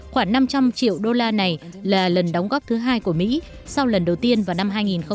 khoảng năm trăm linh triệu usd này là lần đóng góp thứ hai của mỹ sau lần đầu tiên vào năm hai nghìn một mươi sáu